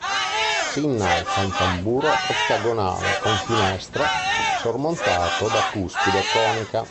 Si innalza un tamburo ottagonale con finestre, sormontato da cuspide conica.